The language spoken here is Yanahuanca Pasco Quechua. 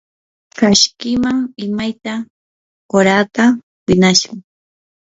kashkiman imayka qurata winashun.